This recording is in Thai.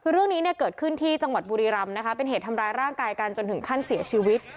คือเรื่องนี้เนี่ยเกิดขึ้นที่จังหวัดบุรีรำนะคะเป็นเหตุทำร้ายร่างกายกันจนถึงขั้นเสียชีวิต